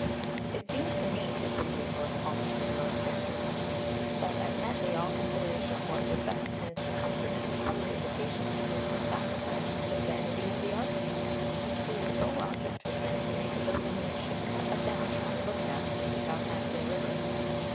"It seems to me," continued Lord Palmerston most characteristically, "that at Netley all consideration of what would best tend to the comfort and recovery of the patients has been sacrificed to the vanity of the architect, whose sole object has been to make a building which should cut a dash when looked at from the Southampton River....